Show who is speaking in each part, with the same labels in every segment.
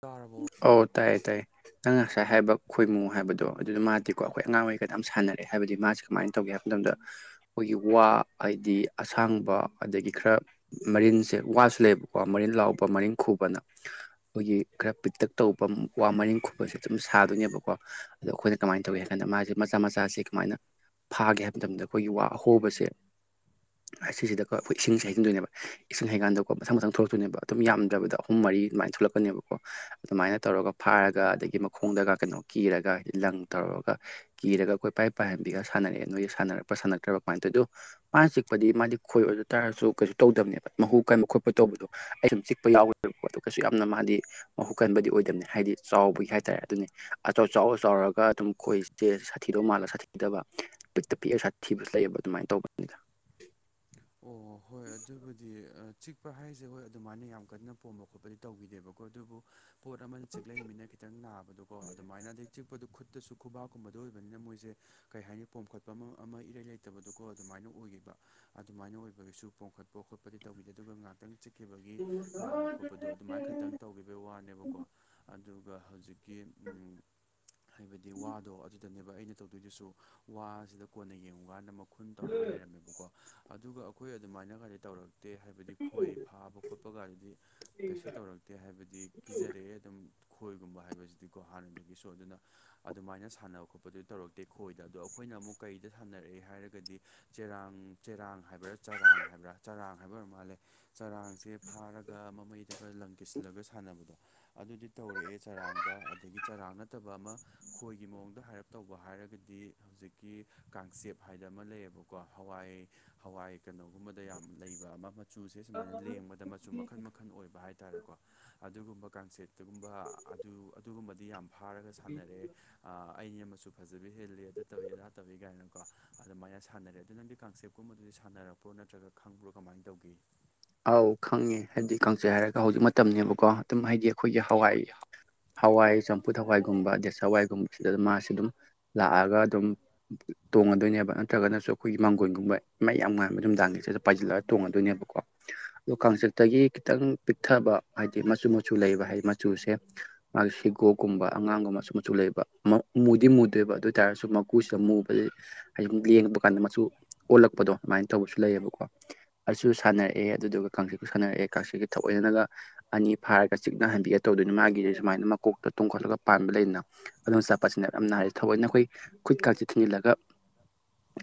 Speaker 1: ꯇꯥꯔꯕꯣ
Speaker 2: ꯑꯧ ꯇꯥꯏꯌꯦ ꯇꯥꯏ ꯅꯪ ꯉꯁꯥꯏ ꯍꯥꯏꯕ ꯈꯣꯏꯃꯨ ꯍꯥꯏꯕꯗꯣ ꯑꯗꯨ ꯃꯥꯗꯤꯀꯣ ꯑꯩꯈꯣꯏ ꯑꯉꯥꯡ ꯑꯣꯏꯔꯤꯉꯩꯗ ꯑꯗꯨ ꯌꯥꯝ ꯁꯥꯟꯅꯔꯛꯑꯦ ꯍꯥꯏꯕꯗꯤ ꯃꯥꯁꯦ ꯀꯃꯥꯏꯟ ꯇꯧꯒꯦ ꯍꯥꯏꯕ ꯃꯇꯝꯗ ꯑꯈꯣꯏꯒꯤ ꯋꯥ ꯍꯥꯏꯗꯤ ꯑꯁꯥꯡꯕ ꯑꯗꯒꯤ ꯈꯔ ꯃꯔꯤꯟꯁꯦ ꯋꯥꯁꯨ ꯂꯩꯌꯦꯕꯀꯣ ꯃꯔꯤꯟ ꯂꯥꯎꯕ ꯃꯔꯤꯟ ꯈꯨꯕꯅ ꯑꯩꯈꯣꯏꯒꯤ ꯈꯔ ꯄꯤꯛꯇꯛ ꯇꯧꯕ ꯋꯥ ꯃꯔꯤꯡ ꯈꯨꯕꯁꯦ ꯑꯗꯨꯝ ꯁꯥꯗꯣꯏꯅꯦꯕꯀꯣ ꯑꯗꯣ ꯑꯩꯈꯣꯏꯅ ꯀꯃꯥꯏꯟ ꯇꯧꯏ ꯍꯥꯏ ꯀꯥꯟꯗ ꯃꯥꯁꯦ ꯃꯆꯥ ꯃꯆꯥꯁꯦ ꯀꯃꯥꯏꯅ ꯐꯥꯒꯦ ꯍꯥꯏꯕ ꯃꯇꯝꯗ ꯑꯩꯈꯣꯏꯒꯤ ꯋꯥ ꯑꯍꯣꯕꯁꯦ ꯑꯁꯤꯖꯤꯗꯒ ꯑꯈꯣꯏ ꯏꯁꯤꯡꯁꯦ ꯍꯩꯖꯤꯟꯗꯣꯏꯅꯦꯕ ꯏꯁꯤꯡ ꯍꯩꯒꯥꯟꯗꯀꯣ ꯃꯊꯪ ꯃꯊꯪ ꯊꯣꯛꯂꯛꯇꯣꯏꯅꯦꯕ ꯑꯗꯨꯝ ꯌꯥꯝꯗ꯭ꯔꯕꯗ ꯑꯍꯨꯝ ꯃꯔꯤ ꯑꯗꯨꯃꯥꯏꯅ ꯊꯣꯛꯂꯛꯄꯅꯦꯕ [unintelligible] ꯑꯗꯨꯃꯥꯏꯅ ꯇꯧꯔꯒ ꯐꯥꯔꯒ ꯑꯗꯒꯤ ꯃꯈꯣꯡꯗꯒ ꯀꯅꯣ ꯀꯤꯔꯒ ꯍꯥꯏꯗꯤ ꯂꯪ ꯇꯧꯔꯒ ꯀꯤꯔꯒ ꯀꯣꯏ ꯄꯥꯏ ꯄꯥꯏꯍꯟꯕꯤꯒ ꯁꯥꯟꯅꯔꯛꯑꯦ ꯅꯣꯏ ꯁꯥꯟꯅꯔꯛꯄ ꯁꯥꯟꯅꯛꯇ꯭ꯔꯕ ꯀꯃꯥꯏ ꯇꯧꯏ ꯑꯗꯨ ꯃꯥꯟ ꯆꯤꯛꯄꯗꯤ ꯃꯥꯗꯤ ꯈꯣꯏ ꯑꯣꯏꯖ ꯇꯥꯔꯁꯨ ꯀꯩꯁꯨ ꯇꯧꯗꯕꯅꯦꯕ ꯃꯍꯨ ꯀꯟꯕ ꯈꯣꯠꯄ ꯇꯧꯕꯗꯣ ꯑꯩꯁꯨ ꯗꯨꯝ ꯆꯤꯛꯄ ꯌꯥꯎꯒ꯭ꯔꯦꯕ ꯀꯣ ꯑꯗꯨ ꯀꯁꯨ ꯌꯥꯝꯅ ꯃꯥꯗꯤ ꯃꯍꯨ ꯀꯟꯕꯗꯤ ꯑꯣꯏꯗꯕꯅꯦ ꯍꯥꯏꯗꯤ ꯆꯥꯎꯕꯤ ꯍꯥꯏꯇꯥꯔꯦ ꯑꯗꯨꯅꯤ ꯑꯗꯣ ꯆꯥꯎ ꯆꯥꯎꯔꯒ ꯑꯗꯨꯝ ꯈꯣꯏꯁꯦ ꯁꯥꯊꯤꯗꯧ ꯃꯥꯜꯂ ꯁꯥꯊꯤꯗꯕ ꯄꯤꯛꯇ ꯄꯤꯛꯑꯒ ꯁꯥꯊꯤꯕꯁꯨ ꯂꯩꯌꯦꯕ ꯑꯗꯨꯃꯥꯏꯟ ꯇꯧꯕꯗꯨꯅꯤꯗ
Speaker 1: ꯑꯣ ꯍꯣꯏ ꯑꯗꯨꯕꯨꯗꯤ [unintelligible] ꯆꯤꯛꯄ ꯍꯥꯏꯖꯦ ꯍꯣꯏ ꯑꯗꯨꯃꯥꯏꯅ ꯌꯥꯝ ꯀꯟꯅ ꯄꯣꯝꯕ ꯈꯣꯠꯄꯗꯤ ꯇꯧꯈꯤꯗꯦꯕꯀꯣ ꯑꯗꯨꯕꯨ ꯄꯣꯠ ꯑꯃ ꯆꯤꯛꯂꯛꯏꯃꯤꯅ ꯈꯤꯠ ꯈꯤꯇꯪ ꯅꯥꯕꯗꯨꯀꯣ ꯑꯗꯨꯃꯥꯏꯅ ꯑꯗꯩ ꯆꯤꯛꯄꯗꯣ ꯈꯨꯠꯇꯁꯨ ꯈꯨꯕꯥꯛꯀꯨꯝꯕꯗꯣ ꯑꯣꯏꯕꯅꯤꯅ ꯃꯣꯏꯖꯦ ꯀꯩ ꯍꯥꯏꯅꯤ ꯄꯣꯝꯈꯠꯄ ꯑꯃ ꯑꯃ ꯏꯔꯩ ꯂꯩꯇꯕꯗꯨꯀꯣ ꯑꯗꯨꯃꯥꯏꯅ ꯑꯣꯏꯌꯦꯕ ꯑꯗꯨꯃꯥꯏꯅ ꯑꯣꯏꯕꯒꯤꯁꯨ ꯄꯣꯡꯈꯠꯄ ꯈꯣꯠꯄꯗꯤ ꯇꯧꯈꯤꯗꯦ ꯑꯗꯨꯒ ꯉꯥꯛ ꯆꯤꯛꯈꯤꯕꯒꯤ ꯅꯥꯕ ꯈꯣꯠꯄꯗꯣ ꯑꯗꯨꯃꯥꯏꯟ ꯈꯇꯪ ꯇꯧꯒꯤꯕꯩ ꯋꯥꯅꯦꯕꯀꯣ ꯑꯗꯨꯒ ꯍꯧꯖꯤꯛꯀꯤ [unintelligible] ꯍꯥꯏꯕꯗꯤ ꯋꯥꯗꯣ ꯑꯗꯨꯗꯅꯦꯕ ꯑꯩꯅ ꯇꯧꯗꯣꯏꯗꯨꯁꯨ ꯋꯥꯁꯤꯗ ꯀꯣꯟꯅ ꯌꯦꯡꯉꯨꯒꯥꯟꯗ ꯃꯈꯨꯟ ꯇꯧꯔꯒ ꯂꯩꯔꯝꯃꯦꯕꯀꯣ ꯑꯗꯨꯒ ꯑꯈꯣꯏ ꯑꯗꯨꯃꯥꯏꯅ ꯒꯗꯤ ꯇꯧꯔꯛꯇꯦ ꯍꯥꯏꯕꯗꯤ ꯈꯣꯏ ꯐꯥꯕ ꯈꯣꯠꯄ ꯒꯗꯨꯗꯤ ꯀꯩꯁꯨ ꯇꯧꯔꯛꯇꯦ ꯍꯥꯏꯕꯗꯤ ꯀꯤꯖꯔꯛꯑꯦ ꯑꯗꯨꯝ ꯈꯣꯏꯒꯨꯝꯕ ꯍꯥꯏꯕꯁꯤꯗꯤꯀꯣ ꯍꯥꯟꯅꯗꯒꯤꯁꯨ ꯑꯗꯨꯅ ꯑꯗꯨꯃꯥꯏꯅ ꯁꯥꯟꯅꯕ ꯈꯣꯠꯄꯗꯨ ꯇꯧꯔꯛꯇꯦ ꯈꯣꯏꯗ ꯑꯗꯣ ꯑꯩꯈꯣꯏꯅ ꯑꯃꯨꯛ ꯀꯩꯗ ꯁꯥꯟꯅꯔꯛꯑꯦ ꯍꯥꯏꯔꯒꯗꯤ ꯆꯦꯔꯥꯡ ꯆꯦꯔꯥꯡ ꯍꯥꯏꯕ꯭ꯔꯥ ꯆꯔꯥꯡ ꯍꯥꯏꯕ꯭ꯔꯥ ꯆꯔꯥꯡ ꯍꯥꯏꯕ ꯑꯣꯏꯔ ꯃꯥꯜꯂꯦ ꯆꯔꯥꯡꯁꯦ ꯐꯥꯔꯒ ꯃꯃꯩꯗꯒ ꯂꯪ ꯀꯤꯁꯤꯜꯂꯒ ꯁꯥꯟꯅꯕꯗꯣ ꯑꯗꯨꯗꯤ ꯇꯧꯔꯛꯑꯦ ꯆꯔꯥꯡꯗ ꯑꯗꯒꯤ ꯆꯔꯥꯡ ꯅꯠꯇꯕ ꯑꯃ ꯈꯣꯏꯒꯤ ꯃꯑꯣꯡꯗ ꯍꯥꯏꯔꯞ ꯇꯧꯕ ꯍꯥꯏꯔꯒꯗꯤ ꯍꯧꯖꯤꯛꯀꯤ ꯀꯥꯡꯆꯦꯞ ꯍꯥꯏꯗ ꯑꯃ ꯂꯩꯌꯦꯕꯀꯣ ꯍꯋꯥꯏ ꯍꯋꯥꯏ ꯀꯩꯅꯣꯒꯨꯝꯕꯗ ꯌꯥꯝ ꯂꯩꯕ ꯑꯃ ꯃꯆꯨꯁꯦ ꯁꯨꯃꯥꯏꯅ ꯂꯦꯡꯕꯗ ꯃꯆꯨ ꯃꯈꯟ ꯃꯈ ꯃꯈꯟ ꯑꯣꯏꯕ ꯍꯥꯏꯇꯥꯔꯦꯀꯣ ꯑꯗꯨꯒꯨꯝꯕ ꯀꯥꯡꯆꯦꯠꯇꯨꯒꯨꯝꯕ ꯑꯗꯨ ꯑꯗꯨꯒꯨꯝꯕꯗꯤ ꯌꯥꯝ ꯐꯥꯔꯒ ꯁꯥꯟꯅꯔꯛꯑꯦ ꯑꯥ ꯑꯩꯅꯤ ꯃꯆꯨ ꯐꯖꯕ ꯍꯦꯜꯂꯤ ꯑꯗꯨ ꯇꯧꯋꯤ ꯑꯗꯥ ꯇꯧꯏ ꯒꯥꯏꯅꯀꯣ ꯑꯗꯨꯃꯥꯏꯅ ꯁꯥꯟꯅꯔꯦ ꯑꯗꯨ ꯅꯪꯗꯤ ꯀꯥꯡꯆꯦꯞ ꯀꯨꯝꯕꯗꯨꯗꯤ ꯁꯥꯟꯅꯔꯛꯄ꯭ꯔꯣ ꯅꯠꯇ꯭ꯔꯒ ꯈꯪꯕ꯭ꯔꯣ ꯀꯃꯥꯏꯟꯇꯧꯒꯦ
Speaker 2: ꯑꯥꯎ ꯈꯪꯉꯦ ꯍꯥꯏꯕꯗꯤ ꯈꯪꯁꯩ ꯍꯥꯏꯔꯒ ꯍꯧꯖꯤꯛ ꯃꯇꯝꯅꯤꯅꯦꯕꯀꯣ ꯑꯗꯨꯝ ꯍꯥꯏꯗꯤ ꯑꯩꯈꯣꯏꯒꯤ ꯍꯋꯥꯏ ꯍꯋꯥꯏ ꯆꯝꯐꯨꯠ ꯍꯋꯥꯏꯒꯨꯝꯕ ꯗꯦꯁ ꯍꯋꯥꯏꯒꯨꯝꯕꯁꯤꯗ ꯃꯥꯁꯤ ꯑꯗꯨꯝ ꯂꯥꯛꯑꯒ ꯑꯗꯨꯝ ꯇꯣꯡꯉꯗꯣꯏꯅꯦꯕ ꯅꯠꯇ꯭ꯔꯒꯅꯁꯨ ꯑꯩꯈꯣꯏꯒꯤ ꯃꯥꯡꯒꯣꯟꯒꯨꯝꯕ ꯃꯩ ꯌꯥꯝ ꯉꯥꯟꯕ ꯅꯨꯃꯤꯗꯥꯡꯒꯤꯗꯨꯗ ꯄꯥꯏꯁꯤꯜꯂꯒ ꯇꯣꯡꯉꯗꯣꯏꯅꯦꯕꯀꯣ ꯑꯗꯣ ꯀꯥꯡꯆꯦꯛꯇꯒꯤ ꯈꯤꯇꯪ ꯄꯤꯛꯊꯕ ꯍꯥꯏꯗꯤ ꯃꯆꯨ ꯃꯆꯨ ꯂꯩꯕ ꯍꯥꯏꯗꯤ ꯃꯆꯨꯁꯦ ꯃꯥꯒꯤ ꯍꯤꯒꯣꯛꯒꯨꯝꯕ ꯑꯉꯥꯡꯕ ꯃꯆꯨ ꯃ ꯆꯨꯨ ꯂꯩꯕ ꯃꯨꯗꯤ ꯃꯨꯗꯦꯕ ꯑꯗꯣꯏꯇꯥꯥꯔꯁꯨ ꯃꯀꯨꯁꯤꯗ ꯃꯨꯕꯁꯦ ꯍꯥꯏꯗꯤ ꯂꯦꯡꯕ ꯀꯥꯟꯗ ꯃꯆꯨ ꯑꯣꯜꯂꯛꯄꯗꯣ ꯑꯗꯨꯃꯥꯏꯅ ꯇꯧꯕꯁꯨ ꯂꯩꯌꯦꯕꯀꯣ ꯑꯗꯨꯁꯨ ꯁꯥꯟꯅꯔꯛꯑꯦ ꯑꯗꯨꯗꯨꯒ ꯀꯥꯡꯆꯤꯁꯨ ꯁꯥꯟꯅꯔꯛꯑꯦ ꯀꯥꯡꯁꯤꯛꯒ ꯊꯧꯑꯣꯏꯅꯒ ꯑꯅꯤ ꯐꯥꯔꯒ ꯆꯤꯛꯅꯍꯟꯕꯤꯒ ꯇꯧꯗꯣꯏꯅꯤ ꯃꯥꯒꯤꯁꯦ ꯁꯨꯃꯥꯏꯅ ꯃꯀꯣꯛꯇ ꯇꯣꯡꯈꯠꯂꯒ ꯄꯥꯟꯕ ꯂꯩꯗꯅ ꯑꯗꯨꯝ ꯆꯠꯄꯁꯤꯅ ꯌꯥꯝ ꯅꯥꯔꯦ ꯊꯧꯑꯣꯏꯅ ꯑꯩꯈꯣꯏ ꯈꯨꯠꯀꯥꯁꯤ ꯊꯤꯟꯖꯤꯜꯂꯒ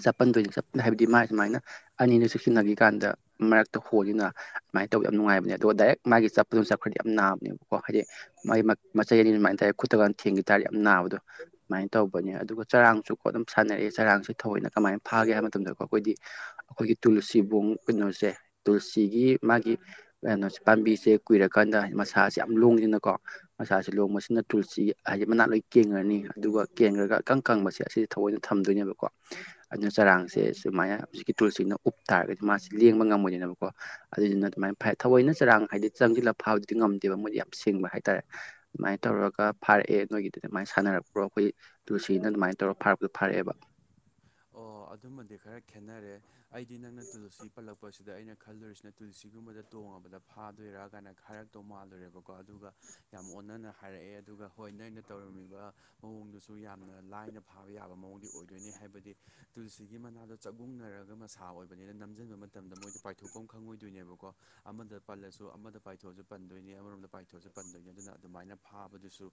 Speaker 2: ꯆꯠꯄꯟꯗꯣꯏꯅꯤ ꯍꯥꯏꯕꯗꯤ ꯃꯥꯥꯏ ꯁꯨꯃꯥꯏꯅ ꯑꯅꯤꯅ ꯆꯨꯁꯤꯟꯅꯈꯤ ꯀꯥꯟꯗ ꯃꯔꯛ ꯍꯣꯜꯂꯤꯅ ꯑꯗꯨꯃꯥꯏꯅ ꯇꯧꯕꯗ ꯌꯥꯝ ꯅꯨꯡꯉꯥꯏꯕꯅꯦ ꯑꯗꯣ ꯗꯥꯏꯔꯦꯛ ꯃꯥꯒꯤ ꯆꯠꯄꯗꯨꯅ ꯆꯞꯈ꯭ꯔꯗꯤ ꯌꯥꯝ ꯅꯥꯕꯅꯦꯕꯀꯣ ꯍꯥꯏꯗꯤ ꯃꯥꯏ ꯃꯆꯩ ꯑꯅꯤ ꯑꯗꯨꯃꯥꯏꯅ ꯇꯥꯔꯦꯛ ꯈꯨꯠꯇꯀꯥꯟꯅ ꯊꯦꯡꯈꯤ ꯇꯥꯔꯗꯤ ꯌꯥꯝ ꯅꯥꯕꯗꯣ ꯁꯨꯃꯥꯏꯅ ꯇꯧꯕꯅꯦ ꯑꯗꯨꯒ ꯆꯔꯥꯡꯁꯨꯀꯣ ꯑꯗꯨꯝ ꯁꯥꯟꯅꯔꯛꯑꯦ ꯆꯔꯥꯡꯁꯦ ꯊꯑꯣꯏꯅ ꯀꯃꯥꯏꯅ ꯐꯥꯒꯦ ꯍꯥꯏꯕ ꯃꯇꯝꯗꯀꯣ ꯑꯩꯈꯣꯏꯗꯤ ꯑꯩꯈꯣꯏꯒꯤ ꯇꯨꯜꯁꯤꯕꯣꯡ ꯀꯩꯅꯣꯁꯦ ꯇꯨꯜꯁꯤꯒꯤ ꯃꯥꯒꯤ ꯀꯩꯅꯣꯁꯦ ꯄꯥꯝꯕꯤꯁꯦ ꯀꯨꯏꯔꯀꯥꯟꯗ ꯃꯁꯥꯁꯦ ꯌꯥꯝ ꯂꯣꯡꯉꯤꯗꯅꯀꯣ ꯃꯁꯥꯁꯤ ꯂꯣꯡꯕꯁꯤꯅ ꯇꯨꯜꯁꯤ ꯍꯥꯏꯗꯤ ꯃꯅꯥ ꯂꯣꯏ ꯀꯦꯟꯈꯔꯅꯤ ꯑꯗꯨꯒ ꯀꯦꯟꯈ꯭ꯔꯒ ꯏꯀꯪ ꯀꯪꯕꯁꯦ ꯑꯁꯤ ꯊꯧꯑꯣꯏꯅ ꯊꯝꯗꯣꯏꯅꯦꯕꯀꯣ ꯑꯗꯨꯅ ꯆꯔꯥꯡꯁꯦ ꯁꯨꯃꯥꯏꯅ ꯍꯧꯖꯤꯛꯀꯤ ꯇꯨꯜꯁꯤꯡꯅ ꯎꯞ ꯇꯥꯔꯒꯗꯤ ꯃꯥꯁꯤ ꯂꯦꯡꯕ ꯉꯝꯃꯣꯏꯗꯩꯩꯅꯦꯕ ꯀꯣ ꯑꯗꯨꯏꯗꯨꯅ ꯑꯗꯨꯃꯥꯏꯅ ꯐ ꯊꯧꯑꯣꯏꯅ ꯆꯔꯥꯡ ꯍꯥꯏꯗꯤ ꯆꯪꯁꯤꯜꯂꯒ ꯐꯕꯗꯨꯗꯤ ꯉꯝꯗꯦꯕ ꯃꯣꯏꯗꯤ ꯌꯥꯝ ꯁꯤꯡꯕ ꯍꯥꯏꯇꯥꯔꯦ ꯑꯗꯨꯃꯥꯏꯅ ꯇꯧꯔꯒ ꯐꯥꯔꯛꯑꯦ ꯅꯣꯏꯒꯤꯗꯨ ꯑꯗꯨꯃꯥꯏꯅ ꯁꯥꯟꯅꯔꯛꯄ꯭ꯔꯣ ꯑꯩꯈꯣꯏ ꯇꯨꯜꯁꯤꯅ ꯑꯗꯨꯃꯥꯏ ꯇꯧꯔ ꯐꯥꯔꯛꯄꯗꯣ ꯐꯥꯔꯛꯑꯦꯕ
Speaker 1: ꯑꯣ ꯑꯗꯨꯃꯗꯤ ꯈꯔ ꯈꯦꯟꯅꯔꯦ ꯑꯩꯗꯤ ꯅꯪꯅ ꯇꯨꯜꯁꯤ ꯄꯜꯂꯛꯄꯁꯤ ꯑꯗ ꯑꯩꯅ ꯈꯜꯂꯨꯔꯤꯁꯤꯅ ꯇꯨꯜꯁꯤꯒꯨꯝꯕꯗ ꯇꯣꯡꯉꯕꯗ ꯐꯥꯗꯣꯏꯔꯥ ꯀꯥꯏꯅ ꯍꯥꯏꯔꯛꯇꯧ ꯃꯥꯜꯂꯣꯏꯨꯔꯦꯕꯀꯣ ꯑꯗꯨꯒ ꯌꯥꯝ ꯑꯣꯟꯅꯅ ꯍꯥꯏꯔꯛꯑꯦ ꯑꯗꯨꯒ ꯍꯣꯏ ꯅꯣꯏꯅ ꯇꯧꯔꯝꯃꯤꯕ ꯃꯑꯣꯡꯗꯨꯁꯨ ꯌꯥꯝꯅ ꯂꯥꯏꯅ ꯐꯥꯕ ꯌꯥꯕ ꯃꯑꯣꯡꯗꯤ ꯑꯣꯏꯗꯣꯏꯅꯤ ꯍꯥꯏꯕꯗꯤ ꯇꯨꯜꯁꯤꯒꯤ ꯃꯅꯥꯗꯣ ꯆꯥꯛꯒꯨꯡꯅꯔꯒ ꯃꯁꯥ ꯑꯣꯏꯕꯅꯤꯅ ꯅꯝꯁꯤꯟꯕ ꯃꯇꯝꯗ ꯃꯣꯏꯗꯣ ꯄꯥꯏꯊꯣꯛꯐꯝ ꯈꯪꯉꯣꯏꯗꯣꯏꯅꯦꯕꯀꯣ ꯑꯃꯗ ꯄꯜꯂꯁꯨ ꯑꯃꯗ ꯄꯥꯏꯊꯣꯛꯑꯁꯨ ꯄꯟꯗꯣꯏꯅꯤ ꯑꯃꯔꯣꯝꯗ ꯄꯥꯏꯊꯣꯛꯑꯁꯨ ꯄꯟꯗꯣꯏꯅꯤ ꯑꯗꯨꯅ ꯑꯗꯨꯃꯥꯏꯅ ꯐꯥꯕꯗꯨꯁꯨ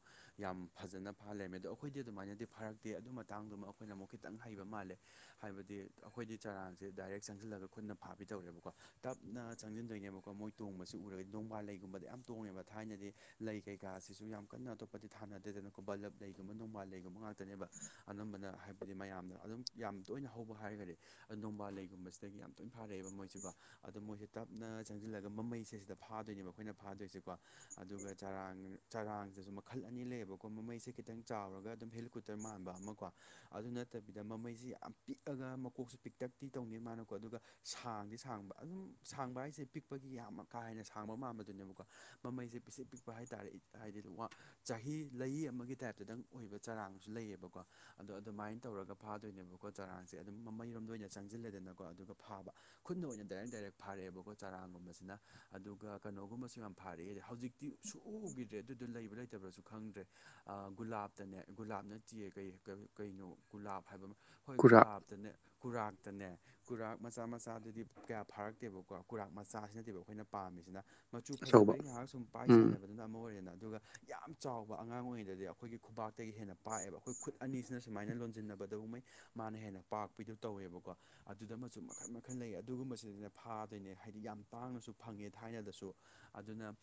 Speaker 1: ꯌꯥꯝ ꯐꯖꯅ ꯐꯥ ꯂꯩꯔꯝꯃꯦ ꯑꯗꯣ ꯑꯩꯈꯣꯏꯗꯤ ꯑꯗꯨꯃꯥꯏꯅꯗꯤ ꯐꯔꯛꯇꯦ ꯑꯗꯨ ꯃꯇꯥꯡꯗꯨꯃ ꯑꯩꯈꯣꯏꯅ ꯑꯃꯨꯛ ꯈꯤꯇꯪ ꯍꯩꯕ ꯃꯥꯜꯂꯦ ꯍꯥꯏꯕꯗꯤ ꯑꯩꯈꯣꯏꯗꯤ ꯆꯔꯥꯡꯁꯦ ꯗꯥꯏꯔꯦꯛ ꯆꯪꯁꯤꯜꯂꯒ ꯈꯨꯠꯅ ꯐꯥꯕꯤ ꯇꯧꯔꯦꯕꯀꯣ ꯇꯞꯅ ꯆꯪꯁꯤꯟꯗꯣꯏꯅꯦꯕꯀꯣ ꯃꯣꯏ ꯇꯣꯡꯕꯁꯤ ꯎꯔꯗꯤ ꯅꯣꯡꯕꯥꯜ ꯂꯩꯒꯨꯝꯕꯗ ꯌꯥꯝ ꯇꯣꯡꯉꯦꯕ ꯊꯥꯏꯅꯗꯤ ꯂꯩ ꯀꯩꯀꯥꯁꯤꯁꯨ ꯌꯥꯝ ꯀꯟꯅ ꯑꯇꯣꯞꯄꯗꯤ ꯊꯥꯅꯗꯦꯗꯅꯀꯣ ꯕꯂꯞ ꯂꯩꯒꯨꯝꯕ ꯅꯣꯡꯕꯥꯜ ꯂꯩꯒꯨꯝꯕ ꯉꯥꯛꯇꯅꯦꯕ ꯑꯅꯝꯕꯅ ꯍꯥꯏꯕꯗꯤ ꯃꯌꯥꯝꯅ ꯑꯗꯨꯝ ꯌꯥꯝ ꯇꯣꯏꯅ ꯍꯧꯕ ꯍꯥꯏꯔꯒꯗꯤ ꯑ ꯅꯣꯡꯕꯥꯜ ꯂꯩꯒꯨꯝꯕꯁꯤꯗꯒꯤ ꯌꯥꯝ ꯇꯣꯏꯅ ꯐꯔꯛꯑꯦꯕ ꯃꯣꯏꯁꯤꯀꯣ ꯑꯗꯣ ꯃꯣꯏꯁꯦ ꯇꯞꯅ ꯆꯪꯁꯤꯜꯂꯒ ꯃꯃꯩꯁꯦ ꯁꯤꯗ ꯐꯥꯗꯣꯏꯅꯦꯕ ꯑꯩꯈꯣꯏꯅ ꯐꯥꯗꯣꯏꯁꯦꯀꯣ ꯑꯗꯨꯒ ꯆꯔꯥꯡ ꯆꯔꯥꯡꯁꯤꯁꯨ ꯃꯈꯜ ꯑꯅꯤ ꯂꯩꯌꯦꯕꯀꯣ ꯃꯃꯩꯁꯦ ꯈꯤꯇꯪ ꯆꯥꯎꯔꯒ ꯑꯗꯨꯝ ꯍꯦꯂꯤꯀꯨꯇꯔ ꯃꯥꯟꯕ ꯑꯃꯀꯣ ꯑꯗꯨ ꯅꯠꯇꯕꯤ ꯗ ꯃꯃꯩꯁꯤ ꯌꯥꯝ ꯄꯤꯛꯑꯒ ꯃꯀꯣꯛꯁꯨ ꯄꯤꯛꯇꯛꯇꯤ ꯇꯧꯅꯤ ꯃꯥꯅꯀꯣ ꯑꯗꯨꯒ ꯁꯥꯡꯗꯤ ꯁꯥꯡꯕ ꯑꯗꯨꯝ ꯁꯥꯡꯕ ꯍꯥꯏꯁꯦ ꯄꯤꯛꯄꯒꯤ ꯌꯥꯝ ꯀꯥ ꯍꯦꯟꯅ ꯁꯥꯡꯕ ꯃꯟꯕꯗꯨꯅꯦꯕꯀꯣ ꯃꯃꯩꯁꯦ ꯄꯤꯁꯠ ꯄꯤꯛꯄ ꯍꯥꯏꯇꯥꯥꯔꯦ ꯍꯥꯏꯗꯤ ꯋꯥ ꯆꯍꯤ ꯂꯩꯌꯤ ꯑꯃꯒꯤ ꯇꯥꯏꯞꯇꯗꯪ ꯑꯣꯏꯕ ꯆꯔꯥꯡꯁꯨ ꯂꯩꯌꯦꯕꯀꯣ ꯑꯗꯣ ꯑꯗꯨꯃꯥꯏꯅ ꯇꯧꯔꯒ ꯐꯥꯗꯣꯏꯅꯦꯕꯀꯣ ꯆꯔꯥꯡꯁꯦ ꯑꯗꯨꯝ ꯃꯃꯩꯔꯣꯝꯗ ꯑꯣꯏꯅ ꯆꯪꯁꯤꯜꯂꯦꯗꯅꯀꯣ ꯑꯗꯨꯒ ꯐꯥꯕ ꯈꯨꯠꯅ ꯑꯣꯏꯅ ꯗꯥꯏꯔꯦꯛ ꯗꯥꯏꯔꯦꯛ ꯐꯥꯔꯛꯑꯦꯕꯀꯣ ꯆꯔꯥꯡꯒꯨꯝꯕꯁꯤꯅ ꯑꯗꯨꯒ ꯀꯩꯅꯣꯒꯨꯝꯕꯁꯨ ꯌꯥꯝ ꯐꯔꯛꯑꯦ ꯍꯧꯖꯤꯛ ꯗꯤ ꯁꯨꯛꯎ ꯎꯈꯤꯗ꯭ꯔꯦ ꯑꯗꯨꯗꯣ ꯂꯩꯕ꯭ꯔꯥ ꯂꯩꯇꯕ꯭ꯔꯁꯨ ꯈꯪꯗ꯭ꯔꯦ ꯑ ꯒꯨꯂꯥꯞꯇꯅꯦ ꯒꯨꯂꯥꯞ ꯅꯠꯇꯦꯌꯦ ꯀꯩ ꯀꯩꯅꯣ ꯒꯨꯂꯥꯞ ꯍꯥꯏꯕ ꯑꯃ ꯍꯣꯏ
Speaker 2: ꯈꯨꯔꯥꯛ
Speaker 1: ꯒꯨꯂꯥꯞꯇꯅꯦ ꯀꯨꯔꯥꯛꯇꯅꯦ ꯀꯨꯔꯥꯛ ꯃꯆꯥ ꯃꯆꯥꯗꯨꯗꯤ ꯀꯌꯥ ꯐꯥꯔꯛꯇꯦꯕꯀꯣ ꯀꯨꯔꯥꯛ ꯃꯆꯥꯁꯤ ꯅꯠꯇꯦꯕ ꯑꯩꯈꯣꯏꯅ ꯄꯥꯝꯃꯤꯁꯤꯅ ꯃꯆꯨ
Speaker 2: ꯑꯆꯧꯕ
Speaker 1: ꯐꯖꯕꯩ ꯉꯥꯏꯍꯥꯛ ꯁꯨꯝ ꯄꯥꯏ
Speaker 2: ꯎꯝ
Speaker 1: ꯁꯥꯟꯅꯕꯗꯨꯅ ꯑꯃ ꯑꯣꯏꯔꯦꯅ ꯑꯗꯨꯒ ꯌꯥꯝ ꯆꯥꯎꯕ ꯑꯉꯥꯡ ꯑꯣꯏꯔꯤꯉꯩꯗꯗꯤ ꯑꯩꯈꯣꯏꯒꯤ ꯈꯨꯕꯥꯛꯇꯒꯤ ꯍꯦꯟꯅ ꯄꯥꯛꯑꯦꯕ ꯑꯩꯈꯣꯏ ꯈꯨꯠ ꯑꯅꯤꯁꯤꯅ ꯁꯨꯃꯥꯏꯅ ꯂꯣꯟꯁꯤꯟꯅꯕꯗ ꯑꯗꯨꯒꯉꯩ ꯃꯥꯅ ꯍꯦꯟꯅ ꯄꯥꯛꯄꯤꯗꯨ ꯇꯧꯋꯦꯕꯀꯣ ꯑꯗꯨꯗꯃꯨ ꯃꯈꯜ ꯃꯈꯜ ꯂꯩ ꯑꯗꯨꯒꯨꯝꯕꯁꯤꯗꯅ ꯐꯥꯗꯣꯏꯅꯦ ꯍꯥꯏꯗꯤ ꯌꯥꯝ ꯇꯥꯡꯅꯁꯨ ꯐꯪꯉꯦ ꯊꯥꯏꯅꯗꯁꯨ ꯑꯗꯨꯅ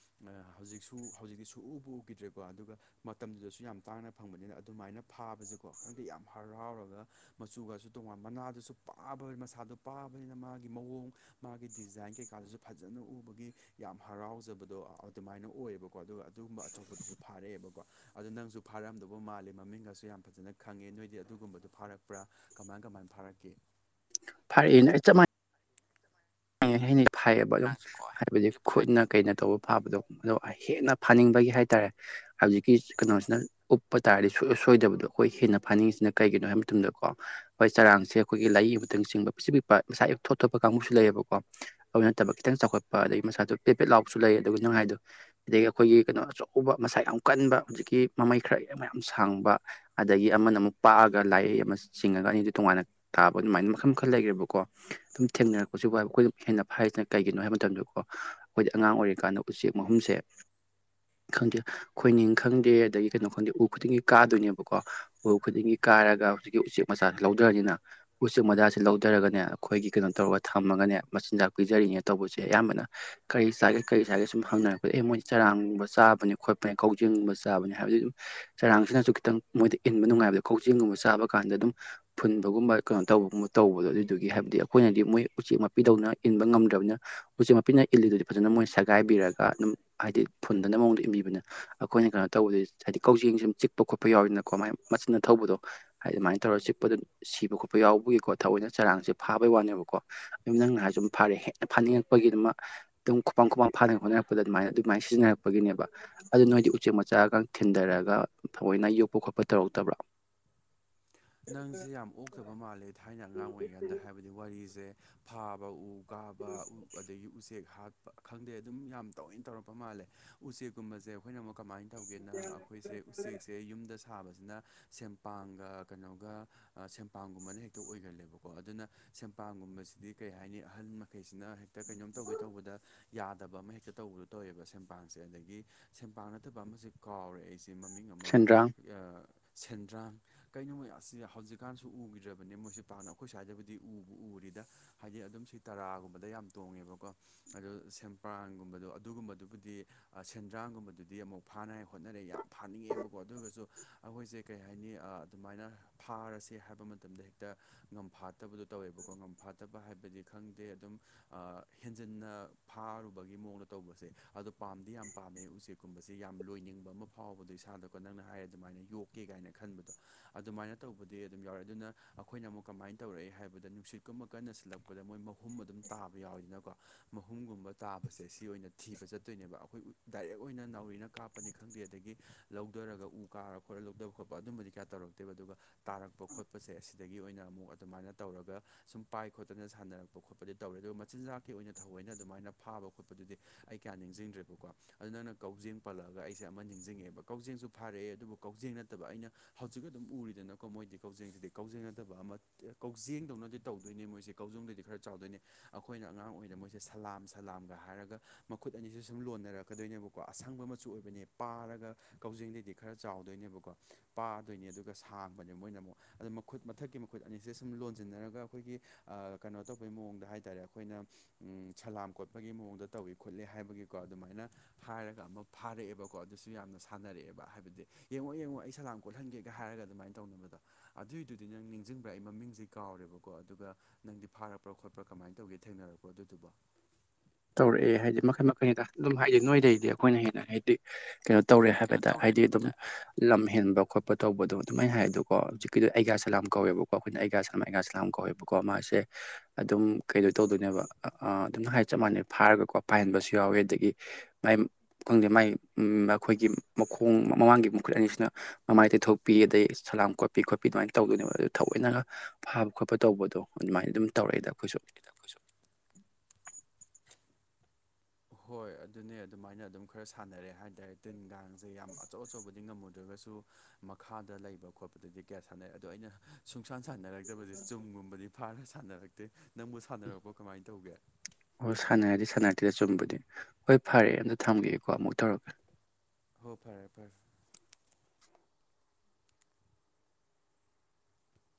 Speaker 1: ꯍꯧꯖꯤꯛꯁꯨ ꯍꯧꯖꯤꯛꯇꯤ ꯁꯨꯎꯕꯨ ꯎꯈꯤꯗ꯭ꯔꯦꯀꯣ ꯑꯗꯨꯒ ꯃꯇꯝꯗꯨꯗꯁꯨ ꯌꯥꯝ ꯇꯥꯡꯅ ꯐꯪꯕꯅꯤꯅ ꯑꯗꯨꯃꯥꯏꯅ ꯐꯥꯕꯕꯁꯤꯀꯣ ꯈꯪꯗꯦ ꯌꯥꯝ ꯍꯔꯥꯎꯒ ꯃꯆꯨꯒꯁꯨ ꯇꯣꯉꯥꯟꯕ ꯃꯅꯥꯗꯨꯁꯨ ꯄꯥꯕ ꯃꯁꯥꯗꯨ ꯄꯥꯕꯅꯤꯅ ꯃꯥꯒꯤ ꯃꯑꯣꯡ ꯃꯥꯒꯤ ꯗꯤꯖꯥꯏꯟ ꯀꯩꯀꯥꯗꯨꯁꯨ ꯐꯖꯅ ꯎꯕꯒꯤ ꯌꯥꯝ ꯍꯔꯥꯎꯖꯕꯗꯣ ꯑꯗꯨꯃꯥꯏꯅ ꯑꯣꯏꯌꯦꯕꯀꯣ ꯑꯗꯨꯒ ꯑꯗꯨꯒꯨꯝꯕ ꯑꯆꯧꯕꯗꯨꯁꯨ ꯐꯥꯔꯛꯑꯦꯕꯀꯣ ꯑꯗꯨꯗ ꯅꯪꯁꯨ ꯐꯥꯔꯝꯗꯧꯕ ꯃꯥꯜꯂꯦ ꯃꯃꯤꯡꯒꯁꯨ ꯌꯥꯝꯅ ꯐꯖꯅ ꯈꯪꯉꯦ ꯅꯣꯏꯗꯤ ꯑꯗꯨꯒꯨꯝꯕꯗꯣ ꯐꯥꯔꯛꯄ꯭ꯔꯥ ꯀꯃꯥꯏ ꯀꯃꯥꯏ ꯐꯥꯔꯛꯈꯤ
Speaker 2: ꯐꯔꯛ ꯑꯦꯅ ꯆꯞ ꯃꯥꯟꯅꯩ ꯍꯩꯅ ꯐꯩꯌꯦꯕ ꯑꯗꯨꯝ ꯍꯥꯏꯕꯗꯤ ꯈꯨꯠꯅ ꯀꯩꯅ ꯇꯧꯕ ꯐꯥꯕꯗꯣ ꯑꯗꯣ ꯍꯦꯟꯅ ꯐꯥꯅꯤꯡꯕꯒꯤ ꯍꯥꯏꯇꯥꯔꯦ ꯍꯧꯖꯤꯛꯀꯤ ꯀꯩꯅꯣꯁꯤꯅ ꯎꯞꯄ ꯇꯥꯔꯗꯤ ꯁꯣꯏ ꯁꯣꯢꯗꯕꯗꯣ ꯑꯩꯈꯣꯏ ꯍꯦꯟꯅ ꯐꯥꯅꯤꯡꯉꯤꯁꯤꯅ ꯀꯩꯒꯤꯅꯣ ꯍꯥꯏꯕ ꯃꯇꯝꯗ ꯀꯣ ꯍꯣꯏ ꯆꯔꯥꯡꯁꯦ ꯑꯩꯈꯣꯏ ꯂꯥꯏ ꯑꯃꯨꯛꯇꯪ ꯆꯤꯡꯕ ꯄꯤꯛ ꯄꯤꯛꯄ ꯉꯥꯁꯥꯢꯒꯤ ꯊꯣꯞ ꯊꯣꯞꯄ ꯀꯥꯡꯕꯨꯁꯨ ꯂꯩꯌꯦꯕ ꯀꯣ ꯑꯗꯨ ꯅꯠꯇꯕ ꯈꯤꯇꯪ ꯆꯥꯎꯈꯠꯄ ꯑꯗꯒꯤ ꯃꯁꯥꯗꯣ ꯄꯦꯠꯄꯦꯠ ꯂꯥꯎꯕꯁꯨ ꯂꯩ ꯑꯗꯨꯒ ꯅꯪ ꯍꯥꯏꯗꯣ ꯑꯗꯒꯤ ꯑꯩꯈꯣꯏꯒꯤ ꯀꯩꯅꯣ ꯑꯆꯧꯕ ꯃꯁꯥ ꯌꯥꯝ ꯀꯟꯕ ꯍꯧꯖꯤꯛꯀꯤ ꯃꯃꯩ ꯈꯔ ꯃꯌꯥꯝ ꯁꯥꯡꯕ ꯑꯗꯒꯤ ꯑꯃꯅ ꯑꯃꯨꯛ ꯄꯥꯛꯑꯒ ꯂꯥꯏꯑ ꯑꯃ ꯆꯤꯡꯉꯒ ꯑꯅꯤꯗꯨ ꯇꯣꯉꯥꯟꯅ ꯇꯥꯕ ꯑꯗꯨꯃꯥꯏꯅ ꯃꯈꯜ ꯃꯈꯜ ꯂꯩꯈ꯭ꯔꯦꯕꯀꯣ ꯑꯗꯨꯝ ꯊꯦꯡꯅꯔꯛꯄꯁꯤꯕꯨ ꯍꯥꯏꯕ ꯑꯩꯈꯣꯏꯅ ꯍꯦꯟꯅ ꯐꯁꯤꯅ ꯀꯩꯒꯤꯅꯣ ꯍꯥꯏꯕ ꯃꯇꯝꯗꯀꯣ ꯑꯩꯈꯣꯏꯗ ꯑꯉꯥꯡ ꯑꯣꯏꯔꯤꯀꯥꯟꯗ ꯎꯆꯦꯛ ꯃꯍꯨꯝꯁꯦ ꯈꯪꯗꯦ ꯈꯣꯏꯅꯤꯡ ꯈꯪꯗꯦ ꯑꯗꯒꯤ ꯀꯩꯅꯣ ꯈꯪꯗꯦ ꯎ ꯈꯨꯗꯤꯡꯒꯤ ꯀꯥꯗꯣꯏꯅꯦꯕꯀꯣ ꯎ ꯈꯨꯗꯤꯡꯒꯤ ꯀꯥꯏꯔꯒ ꯍꯧꯖꯤꯛꯀꯤ ꯎꯆꯦꯛ ꯃꯆꯥꯁꯦ ꯂꯧꯊꯔꯅꯤꯗꯅ ꯎꯆꯦꯛ ꯃꯆꯥꯁꯦ ꯂꯧꯊꯔꯒꯅꯦ ꯑꯩꯈꯣꯏꯒꯤ ꯀꯩꯅꯣ ꯇꯧꯔꯒ ꯊꯝꯃꯒꯅꯦ ꯃꯆꯤꯟꯖꯥꯛ ꯄꯤꯖꯔꯤꯅꯦ ꯇꯧꯕꯁꯦ ꯑꯌꯥꯝꯕꯅ ꯀꯔꯤ ꯆꯥꯒꯦ ꯀꯔꯤ ꯆꯥꯒꯦ ꯁꯨꯝ ꯍꯪꯅꯔꯛꯄꯗꯤ ꯑꯩ ꯃꯣꯏꯗꯤ ꯆꯔꯥꯡꯒꯨꯝꯕ ꯆꯥꯕꯅꯤ ꯈꯣꯠꯄꯅꯤ ꯀꯥꯎꯖꯤꯡꯒꯨꯝꯕ ꯆꯥꯕꯅꯤ ꯍꯥꯏꯕꯗꯤ ꯑꯗꯨꯝ ꯆꯔꯥꯡꯁꯤꯅꯁꯨ ꯈꯤꯇꯪ ꯃꯣꯏꯗ ꯏꯟꯕ ꯅꯨꯡꯉꯥꯏꯕꯗꯣ ꯀꯧꯖꯦꯡꯒꯨꯝꯕ ꯆꯥꯕ ꯀꯥꯟꯗ ꯑꯗꯨꯝ ꯐꯨꯟꯕꯒꯨꯝꯕ ꯀꯩꯅꯣ ꯇꯧꯕꯒꯨꯝꯕ ꯇꯧꯕꯗꯣ ꯑꯗꯨꯗꯨꯒꯤ ꯍꯥꯏꯕꯗꯤ ꯑꯩꯈꯣꯏꯅꯗꯤ ꯃꯣꯏ ꯎꯆꯦꯛ ꯄꯤꯗꯧꯅ ꯏꯟꯕ ꯉꯝꯗ꯭ꯔꯕꯅꯤꯅ ꯎꯖꯦꯛ ꯃꯄꯤꯅ ꯏꯜꯂꯤꯗꯨꯗꯤ ꯐꯖꯅ ꯃꯣꯏ ꯁꯦꯒꯥꯏꯕꯤꯔꯒ ꯑꯗꯨꯝ ꯍꯥꯏꯗꯤ ꯐꯨꯟꯗꯅꯕ ꯃꯑꯣꯡꯗ ꯏꯟꯕꯤꯕꯅꯤ ꯑꯩꯈꯣꯏꯅ ꯀꯩꯅꯣ ꯇꯧꯕꯗꯨ ꯍꯥꯏꯗꯤ ꯀꯧꯖꯦꯡꯁꯤꯁꯨ ꯑꯗꯨꯝ ꯆꯤꯛꯄ ꯈꯣꯠꯄ ꯌꯥꯎꯔꯤꯅꯀꯣ ꯃꯥꯏꯅ ꯃꯆꯤꯟꯅ ꯑꯥꯊꯧꯕꯗꯣ ꯍꯥꯏ ꯑꯗꯨꯃꯥꯏꯅ ꯇꯧꯔꯒ ꯆꯤꯛꯄꯗ ꯁꯤꯕ ꯈꯣꯠꯄ ꯌꯥꯎꯕꯒꯤꯀꯣ ꯊꯑꯣꯏꯅ ꯆꯔꯥꯡꯁꯦ ꯐꯥꯕꯩ ꯋꯥꯅꯦꯕꯀꯣ ꯌꯨꯝ ꯅꯪꯅ ꯍꯥꯏꯔꯁꯨ ꯑꯗꯨꯝ ꯐꯔꯦ ꯍꯦꯟꯅ ꯐꯥꯅꯤꯡ ꯉꯛꯄꯒꯤ ꯑꯗꯨꯃ ꯑꯗꯨꯝ ꯈꯨꯄꯝ ꯈꯨꯄꯝ ꯐꯥꯅ ꯉꯥꯢ ꯍꯣꯠꯅꯔꯛꯄꯗ ꯑꯗꯨꯥꯏ ꯑꯗꯨꯃꯥꯏꯅ ꯁꯤꯖꯤꯟꯅꯔꯛ ꯄꯒꯤꯅꯦꯕ ꯑꯗꯨ ꯅꯣꯏꯗꯤ ꯎꯆꯦꯛ ꯃꯆꯥꯒ ꯊꯤꯟꯊꯔꯒ ꯊꯃꯣꯏꯅ ꯌꯣꯛꯄ ꯈꯣꯠꯄ ꯇꯧꯔꯛꯇꯕ꯭ꯔꯣ
Speaker 1: [unintelligible] [inaudible] ꯅꯪꯁꯦ ꯌꯥꯝ ꯑꯣꯛꯇꯕ ꯃꯥꯜꯂꯦ ꯊꯥꯏꯅ ꯑꯉꯥꯡ ꯑꯣꯏꯔꯤꯉꯩꯥꯟꯗ ꯍꯥꯏꯕꯗꯤ ꯋꯥꯔꯤꯁꯦ ꯐꯥꯕ ꯎ ꯀꯥꯕ ꯑꯗꯒꯤ ꯎꯆꯦꯛ ꯍꯥꯠꯄ ꯈꯪꯗꯦ ꯑꯗꯨꯝ ꯌꯥꯝ ꯇꯣꯏꯅ ꯇꯧꯔꯛꯄ ꯃꯥꯜꯂꯦ ꯎꯆꯦꯛ ꯀꯨꯝꯕꯁꯦ ꯑꯩꯈꯣꯏꯅ ꯑꯃꯨꯛ ꯀꯃꯥꯏꯅ ꯇꯧꯒꯦꯅ ꯑꯩꯈꯣꯏꯁꯦ ꯎꯆꯦꯛꯁꯦ ꯌꯨꯝꯗ ꯊꯥꯕꯁꯤꯅ ꯁꯄꯥꯡꯒ ꯀꯩꯅꯣꯒ ꯁꯦꯡ ꯄꯥꯝꯒꯨꯝꯕꯅ ꯍꯦꯛꯇ ꯑꯣꯏꯒꯜ ꯂꯦꯕꯀꯣ ꯑꯗꯨꯅ ꯁꯦꯡ ꯄꯥꯝꯒꯨꯝꯕꯁꯤꯗꯤ ꯀꯔꯤ ꯍꯥꯏꯅꯤ ꯑꯍꯜ ꯐꯩꯁꯤꯅ ꯍꯦꯛꯇ ꯀꯩꯅꯣꯝ ꯇꯧꯒꯦ ꯇꯧꯕꯗ ꯌꯥꯗꯕ ꯑꯃ ꯍꯦꯛꯇ ꯇꯧꯕꯗꯣ ꯇꯧꯋꯦꯕ ꯁꯦꯟꯕꯥꯥꯡꯁꯦ ꯑꯗꯒꯤ ꯁꯦꯟꯄꯥꯛ ꯅꯠꯇꯕ ꯑꯃꯁꯦ ꯀꯥꯎꯔꯦ ꯑꯩꯁꯦ ꯃꯃꯤꯡ ꯑꯃ
Speaker 2: ꯁꯦꯟꯗ꯭ꯔꯥꯡ
Speaker 1: ꯁꯦꯟꯗ꯭ꯔꯥꯡ ꯀꯩꯅꯣ ꯑꯁ ꯍꯧꯖꯤꯛ ꯀꯥꯟꯁꯨ ꯎꯈꯤꯗ꯭ꯔꯕꯅꯤ ꯃꯣꯏꯁꯦ ꯄꯥꯛꯅ ꯑꯩꯈꯣꯏ ꯁ꯭ꯋꯥꯏꯗꯕꯨꯗꯤ ꯎꯕ ꯎꯔꯤꯗ ꯍꯥꯏꯗꯤ ꯑꯗꯨꯝ ꯁꯤ ꯇꯔꯥꯒꯨꯝꯕꯗ ꯌꯥꯝ ꯇꯣꯡꯉꯦꯕꯀꯣ ꯑꯗꯨ ꯁꯝꯄ꯭ꯔꯥꯟ ꯒꯨꯝꯕꯗꯣ ꯑꯗꯨꯒꯨꯝꯕ ꯗꯨꯕꯨꯗꯤ ꯁꯦꯟꯗ꯭ꯔꯥꯡ ꯒꯨꯝꯕꯗꯨꯗꯤ ꯑꯃꯨꯛ ꯐꯥꯉꯥꯢ ꯍꯣꯠꯅꯔꯦ ꯌꯥꯝ ꯊꯥꯅꯤꯡ ꯉꯦꯕꯀꯣ ꯑꯗꯨ ꯑꯣꯢꯔꯒꯁꯨ ꯑꯩꯈꯣꯏꯁꯦ ꯀꯩ ꯍꯥꯏꯅꯤ ꯑꯗꯨꯃꯥꯏꯅ ꯐꯥꯔꯁꯦ ꯍꯥꯏꯕ ꯃꯇꯝꯗ ꯍꯦꯛꯇ ꯉꯝ ꯐꯥꯠꯇꯕꯗꯣ ꯇꯧꯋꯦꯕꯀꯣ ꯉꯝꯐꯥ ꯐꯠꯇꯕ ꯍꯥꯏꯕꯗꯤ ꯈꯪꯗꯦ ꯑꯗꯨꯝ ꯍꯦꯟꯖꯤꯟꯅ ꯐꯥꯔꯨꯕꯒꯤ ꯃꯑꯣꯡꯗ ꯇꯧꯕꯁꯦ ꯑꯣꯗꯣ ꯄꯥꯝꯗꯤ ꯌꯥꯝꯅ ꯄꯥꯝꯃꯦ ꯎꯆꯦꯛꯀꯨꯝꯕꯁꯦ ꯌꯥꯝꯅ ꯂꯣꯏꯅꯤꯡꯕ ꯑꯃ ꯐꯥꯎꯕꯗꯣ ꯏꯁꯥꯗꯀꯣ ꯅꯪꯅ ꯍꯥꯏꯔꯤ ꯑꯗꯨꯃꯥꯏꯅ ꯌꯣꯛꯀꯦ ꯀꯥꯏꯅ ꯈꯟꯕꯗꯣ ꯑꯗꯨꯃꯥꯏꯅ ꯇꯧꯕꯗꯤ ꯑꯗꯨꯝ ꯌꯥꯎꯔꯦ ꯑꯗꯨꯅ ꯑꯩꯈꯣꯏꯅ ꯑꯃꯨꯛ ꯀꯃꯥꯏꯅ ꯇꯧꯔꯛꯏ ꯍꯥꯏꯕꯗ ꯅꯨꯡꯁꯤꯠ ꯀꯨꯝꯕ ꯀꯟꯅ ꯁꯤꯜꯂꯛꯄꯗ ꯃꯣꯏ ꯃꯍꯨꯝ ꯑꯗꯨꯝ ꯇꯥꯕ ꯌꯥꯎꯋꯤꯗꯅꯀꯣ ꯃꯍꯨꯝꯒꯨꯝꯕ ꯇꯥꯕꯁꯦ ꯁꯤ ꯑꯣꯏꯅ ꯊꯤꯕ ꯆꯠꯇꯣꯏꯅꯦꯕ ꯑꯩꯈꯣꯏ ꯗꯥꯏꯔꯦꯛ ꯑꯣꯏꯅ ꯅꯥꯎꯔꯤꯅ ꯀꯥꯞꯄꯅꯤ ꯈꯪꯗꯦ ꯑꯗꯒꯤ ꯂꯧꯗꯣꯏꯔꯒ ꯎ ꯀꯥꯔ ꯈꯣꯠꯂ ꯂꯧꯗꯕ ꯈꯣꯠꯄ ꯑꯗꯨꯝꯕꯗꯤ ꯀꯌꯥ ꯇꯧꯔꯛꯇꯦꯕ ꯑꯗꯨꯒ ꯇꯥꯔꯛꯄ ꯈꯣꯠꯄꯁꯦ ꯑꯁꯤꯗꯒꯤ ꯑꯣꯏꯅ ꯑꯃꯨꯛ ꯑꯗꯨꯃꯥꯏꯅ ꯇꯧꯔꯒ ꯁꯨꯝ ꯄꯥꯏ ꯈꯣꯠꯇꯅ ꯁꯥꯟꯅꯔꯛꯄ ꯈꯣꯠꯄꯗꯤ ꯇꯧꯔꯦ ꯑꯗꯨꯒ ꯃꯆꯤꯟꯖꯥꯛꯀꯤ ꯑꯣꯏꯅ ꯊꯑꯣꯏꯅ ꯑꯗꯨꯃꯥꯏꯅ ꯐꯥꯕ ꯈꯣꯠꯄꯗꯨꯗꯤ ꯑꯩ ꯀꯌꯥ ꯅꯤꯡꯁꯤꯡꯗ꯭ꯔꯦꯕꯀꯣ ꯑꯗꯨ ꯅꯪꯅ ꯀꯥꯎꯖꯦꯡ ꯄꯜꯂꯛꯑꯒ ꯑꯩꯁꯦ ꯑꯃ ꯅꯤꯡꯁꯤꯡꯉꯛꯑꯦꯕ ꯀꯥꯎꯖꯦꯡꯁꯨ ꯐꯥꯔꯛꯑꯦ ꯑꯗꯨꯕꯨ ꯀꯥꯎꯖꯦꯡ ꯅꯠꯇꯕ ꯑꯩꯅ ꯍꯧꯖꯤꯛ ꯑꯗꯨꯝ ꯎꯔꯤꯗꯅꯀꯣ ꯃꯣꯏꯗꯤ ꯀꯧꯖꯦꯡꯁꯤꯗꯤ ꯀꯧꯖꯦꯡꯅꯗꯕ ꯑꯃ ꯀꯧꯖꯦꯡꯗꯧꯅꯗꯤ ꯇꯧꯗꯣꯏꯅꯦ ꯃꯣꯏꯁꯦ ꯀꯧꯖꯦꯡꯗꯩꯗꯤ ꯈꯔ ꯆꯥꯎꯗꯣꯏꯅꯤ ꯑꯩꯈꯣꯏꯅ ꯑꯉꯥꯡ ꯑꯣꯏꯔꯤꯉꯩ ꯃꯣꯏꯁꯦ ꯁꯂꯥꯝ ꯁꯂꯥꯝꯒ ꯍꯥꯏꯔꯒ ꯃꯈꯨꯠ ꯑꯅꯤꯁꯤ ꯁꯨꯝ ꯂꯣꯟꯅꯔꯛ ꯀꯗꯣꯏꯅꯦꯕ ꯀꯣ ꯑꯁꯪꯕ ꯃꯆꯨ ꯑꯣꯏꯕꯅꯦ ꯄꯥꯔꯒ ꯀꯧꯖꯦꯡꯗꯩꯗꯤ ꯈꯔ ꯆꯥꯎꯗꯣꯏꯅꯦꯕꯀꯣ ꯄꯥꯗꯣꯏꯅꯤ ꯑꯗꯨꯒ ꯁꯥꯡꯕꯅꯦ ꯃꯣꯏꯅ ꯑꯃꯨꯛ ꯑꯗꯨ ꯃꯈꯨꯠ ꯃꯊꯛꯀꯤ ꯃꯈꯨꯠ ꯑꯅꯤꯁꯦ ꯁꯨꯝ ꯂꯣꯟꯁꯤꯟꯅꯔꯒ ꯑꯩꯈꯣꯏꯒꯤ ꯀꯩꯅꯣ ꯇꯧꯕꯩ ꯃꯑꯣꯡꯗ ꯍꯥꯏꯇꯥꯔꯦ ꯑꯩꯈꯣꯏꯅ ꯎ ꯁꯂꯥꯝ ꯀꯣꯠꯄꯒꯤ ꯃꯑꯣꯡꯗ ꯇꯧꯏ ꯈꯣꯠꯂꯤ ꯍꯥꯏꯕꯒꯤꯀꯣ ꯑꯗꯨꯃꯥꯏꯅ ꯍꯥꯏꯔꯒ ꯑꯃ ꯐꯥꯔꯛꯑꯦꯕꯀꯣ ꯑꯗꯨꯁꯨ ꯌꯥꯝꯅ ꯁꯥꯟꯅꯔꯛꯑꯦꯕ ꯍꯥꯏꯕꯗꯤ ꯌꯦꯡꯉꯣ ꯌꯦꯡꯉꯣ ꯑꯩ ꯁꯂꯝ ꯀꯣꯠꯍꯟꯒꯦꯒ ꯍꯥꯏꯔꯒ ꯑꯗꯨꯃꯥꯏꯅ ꯇꯧꯅꯕꯗꯣ ꯑꯗꯨꯏꯗꯨꯗꯤ ꯅꯪ ꯅꯤꯡꯁꯤꯡꯕ꯭ꯔꯥ ꯑꯩ ꯃꯃꯤꯡꯁꯦ ꯀꯥꯎꯔꯦꯕꯀꯣ ꯑꯗꯨꯒ ꯅꯪꯗꯤ ꯐꯥꯔꯛꯄ꯭ꯔꯥ ꯈꯣꯠꯄ꯭ꯔꯥ ꯀꯃꯥꯏꯅ ꯇꯧꯒꯦ ꯊꯦꯡꯅꯔꯛꯄ꯭ꯔꯣ ꯑꯗꯨꯗꯨꯕꯣ
Speaker 2: ꯇꯧꯔꯛꯑꯦ ꯍꯥꯏꯗꯤ ꯃꯈꯟ ꯃꯈꯜꯅꯤꯗ ꯑꯗꯨꯝ ꯍꯥꯏꯗꯤ ꯅꯣꯏꯗꯩꯗꯤ ꯑꯩꯈꯣꯏꯅ ꯍꯦꯟꯅ ꯍꯥꯏꯗꯤ ꯀꯩꯅꯣ ꯇꯧꯔꯦ ꯍꯥꯏꯕꯗ ꯍꯥꯏꯗꯤ ꯑꯗꯨꯝ ꯂꯝ ꯍꯦꯟꯕ ꯈꯣꯠꯄ ꯇꯧꯕꯗꯣ ꯑꯗꯨꯃꯥꯏꯅ ꯍꯥꯏ ꯑꯗꯣ ꯍꯧꯖꯤꯛꯀꯤꯗꯣ ꯑꯩꯒ꯭ꯌꯥ ꯁꯂꯥꯝ ꯀꯧꯋꯦꯕꯀꯣ ꯑꯩꯈꯣꯏꯅ ꯑꯩꯒ꯭ꯌꯥ ꯁꯂꯥꯝ ꯑꯩꯒ꯭ꯌꯥ ꯁꯂꯥꯝ ꯀꯧꯋꯦꯕ ꯀꯣ ꯃꯥꯁꯦ ꯑꯗꯨꯝ ꯀꯩꯗꯣ ꯇꯧꯗꯣꯏꯅꯦꯕ ꯑ ꯑꯗꯨꯝ ꯍꯥꯏ ꯆꯞ ꯃꯥꯟꯅꯩ ꯐꯥꯔꯒꯀꯣ ꯄꯥꯏꯍꯟꯕꯁꯨ ꯌꯥꯎꯋꯦ ꯑꯗꯒꯤ ꯃꯥꯏ ꯈꯪꯗꯦ ꯃꯥꯏ ꯑꯩꯈꯣꯏꯒꯤ ꯃꯈꯣꯡ ꯃꯃꯥꯡꯒꯤ ꯃꯈꯨꯨꯠ ꯑꯅꯤꯁꯤꯅ ꯃꯃꯥꯏ ꯇꯩꯊꯣꯛꯄꯤ ꯑꯗꯩ ꯁꯂꯥꯝ ꯀꯣꯠꯄꯤ ꯈꯣꯠꯄꯤ ꯑꯗꯨꯃꯥꯏꯅ ꯇꯧꯗꯣꯏꯅꯦꯕ ꯑꯗꯨ ꯊꯑꯣꯏꯅꯒ ꯐꯥꯕ ꯈꯣꯠꯄ ꯇꯧꯕꯗꯣ ꯑꯗꯨꯃꯥꯏꯅ ꯑꯗꯨꯝ ꯇꯧꯔꯛꯏꯗ ꯑꯩꯈꯣꯏꯁꯨ
Speaker 1: ꯇ ꯀꯣꯏ ꯁꯨ [inaudible] ꯍꯣꯏ ꯑꯗꯨꯅꯦ ꯑꯗꯨꯃꯥꯏꯅ ꯑꯗꯨꯝ ꯈꯔ ꯁꯥꯟꯅꯔꯦ ꯍꯥꯏꯇꯥꯔꯦ ꯇꯤꯟ ꯀꯥꯡꯁꯦ ꯌꯥꯝ ꯑꯆꯧ ꯑꯆꯧꯕꯗꯤ ꯉꯝꯃꯨꯗ꯭ꯔꯒꯁꯨ ꯃꯈꯥꯗ ꯂꯩꯕ ꯈꯣꯠꯄꯗꯗꯤ ꯀꯌꯥ ꯁꯥꯟꯅꯩ ꯑꯗꯣ ꯑꯩꯅ ꯁꯨꯡꯁꯥꯟ ꯁꯥꯟꯅꯔꯛꯇꯕꯁꯦ ꯆꯨꯝꯒꯨꯝꯕꯗꯤ ꯐꯥꯔ ꯁꯥꯟꯅꯔꯛꯇꯦ ꯅꯪꯕꯨ ꯁꯥꯟꯅꯔꯛꯄ ꯀꯃꯥꯏ ꯇꯧꯒꯦ
Speaker 2: ꯑꯣ ꯁꯥꯟꯅꯗꯤ ꯁꯥꯟꯅꯔꯛꯇꯦꯗ ꯆꯨꯝꯕꯨꯗꯤ ꯍꯣꯏ ꯐꯔꯦ ꯑꯝꯇ ꯊꯝꯒꯦꯀꯣ ꯑꯃꯨꯛ ꯇꯧꯔꯛꯀꯦ
Speaker 1: ꯍꯣ ꯐꯔꯦ ꯐꯔꯦ